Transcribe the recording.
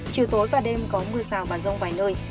chiều tối và đêm có mưa rào và rông vài nơi